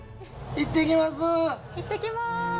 行ってきます。